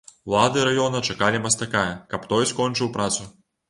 Улады раёна чакалі мастака, каб той скончыў працу.